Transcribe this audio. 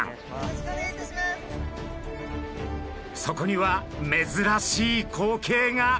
そこには珍しい光景が。